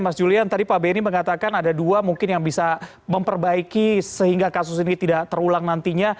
mas julian tadi pak benny mengatakan ada dua mungkin yang bisa memperbaiki sehingga kasus ini tidak terulang nantinya